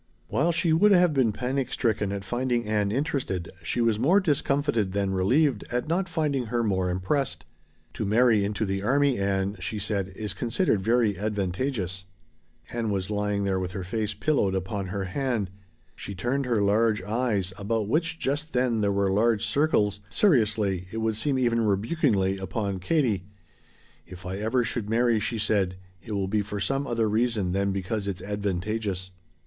While she would have been panic stricken at finding Ann interested, she was more discomfited than relieved at not finding her more impressed. "To marry into the army, Ann," she said, "is considered very advantageous." Ann was lying there with her face pillowed upon her hand. She turned her large eyes, about which just then there were large circles, seriously, it would even seem rebukingly, upon Katie. "If I ever should marry," she said, "it will be for some other reason than because it is 'advantageous.'"